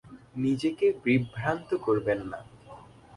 নিজেকে বিভ্রান্ত করবেন না।